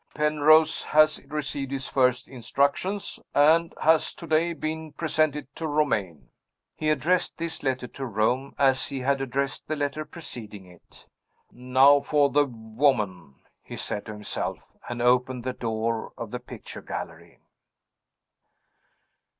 Penrose has received his first instructions, and has to day been presented to Romayne." He addressed this letter to Rome, as he had addressed the letter preceding it. "Now for the woman!" he said to himself and opened the door of the picture gallery.